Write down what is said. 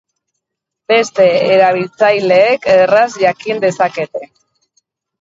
Beste erabiltzaileek erraz jakin dezakete.